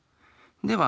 では